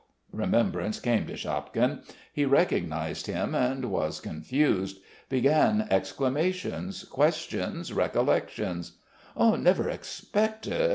Remembrance came to Shapkin: he recognised him and was confused. Began exclamations, questions, recollections. "Never expected ...